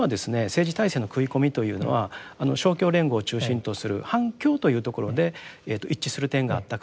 政治体制の食い込みというのは勝共連合を中心とする反共というところで一致する点があったからですよね。